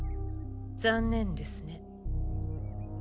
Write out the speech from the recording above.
残念ですね。